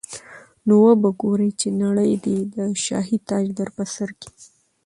نو به ګورې چي نړۍ دي د شاهي تاج در پرسر کي